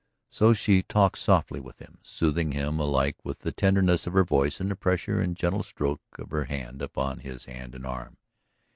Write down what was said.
So she talked softly with him, soothing him alike with the tenderness of her voice and the pressure and gentle stroke of her hand upon his hand and arm.